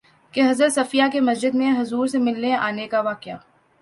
کہ حضرت صفیہ کے مسجد میں حضور سے ملنے آنے کا واقعہ